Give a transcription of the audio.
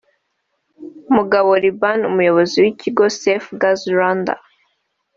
Mugabo Liban umuyobozi w’Ikigo Safe Gas Rwanda